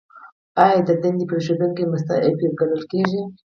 ایا د دندې پریښودونکی مستعفي ګڼل کیږي؟